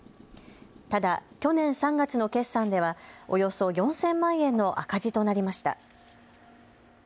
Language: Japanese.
ただ、去年３月の決算ではおよそ４０００万円の赤字となりました。